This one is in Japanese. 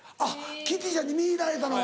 キティちゃんに魅入られたのは。